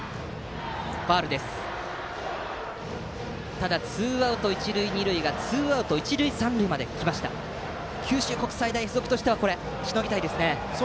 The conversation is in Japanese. ただツーアウト、一塁二塁がツーアウト、一塁三塁まで来ました九州国際大付属としてはしのぎたいですね。